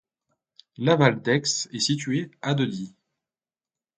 Laval-d'Aix est situé à de Die.